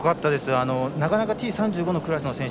なかなかＴ３５のクラスの選手